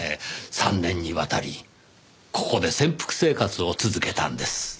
３年にわたりここで潜伏生活を続けたんです。